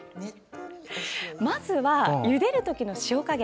まずは、ゆでる時の塩加減。